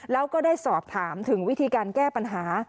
แล้วก็ได้สอบถามถึงวิธีการแก้ปัญหา